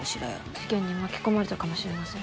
事件に巻き込まれたかもしれません。